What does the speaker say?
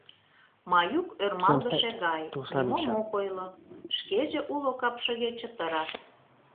Маюк ӧрмалгыше гай, нимом ок ойло, шкеже уло капшыге чытыра.